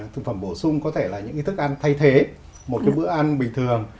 thực phẩm bổ sung có thể là những thức ăn thay thế một cái bữa ăn bình thường